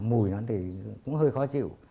mùi nó thì cũng hơi khó chịu